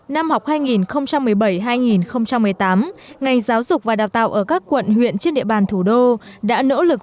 năm học hai nghìn một mươi bảy hai nghìn một mươi tám ngành giáo dục và đào tạo ở các quận huyện trên địa bàn thủ đô đã nỗ lực